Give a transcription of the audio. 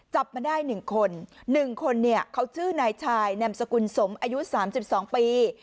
จับมาได้๑คน๑คนเนี่ยเขาชื่อนายชายนามสกุลสมอายุ๓๒ปี